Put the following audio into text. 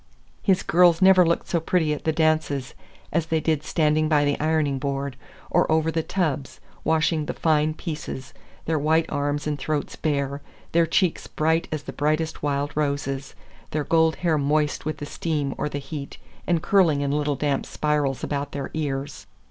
His girls never looked so pretty at the dances as they did standing by the ironing board, or over the tubs, washing the fine pieces, their white arms and throats bare, their cheeks bright as the brightest wild roses, their gold hair moist with the steam or the heat and curling in little damp spirals about their ears.